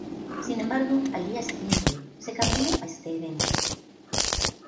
Sin embargo, al día siguiente, se cambió a este evento.